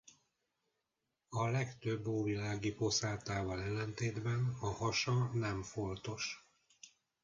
A legtöbb óvilági poszátával ellentétben a hasa nem foltos.